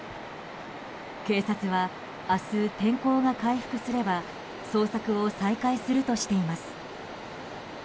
警察は明日、天候が回復すれば捜索を再開するとしています。